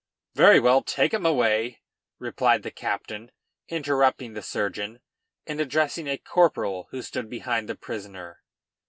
"Very well! Take him away," replied the captain, interrupting the surgeon, and addressing a corporal who stood behind the prisoner.